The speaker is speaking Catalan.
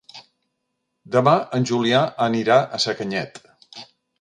Demà en Julià anirà a Sacanyet.